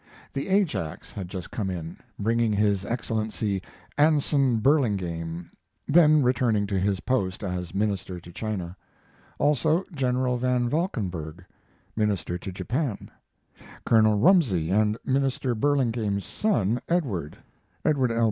The Ajax had just come in, bringing his Excellency Anson Burlingame, then returning to his post as minister to China; also General Van Valkenburg, minister to Japan; Colonel Rumsey and Minister Burlingame's son, Edward, [Edward L.